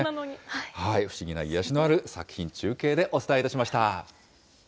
不思議な癒やしのある作品、中継でお伝えしました。